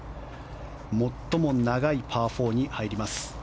最も長いパー４に入ります。